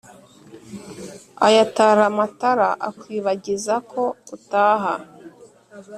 Ayatara matara akwibagiza ko utaha